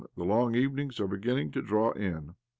The long even ings are beginning to draw in."